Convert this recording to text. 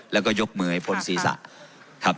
แล้วก็ยกมือให้พลศีรษะ